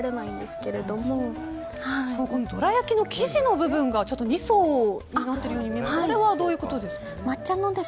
しかもどら焼きの生地の部分が２層になってるように見えますがあれはどういうことですか？